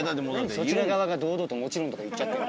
そちら側が堂々と「もちろん」とか言っちゃってる。